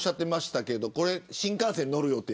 新幹線に乗る予定